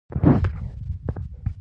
بوتل د سوداګرۍ برخه ګرځېدلی.